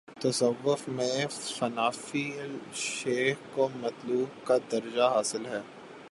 تصوف میں فنا فی الشیخ کو مطلوب کا درجہ حا صل ہے۔